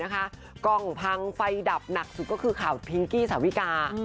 กล้องพังไฟดับหนักสุดก็คือข่าวพิงกี้สาวิกา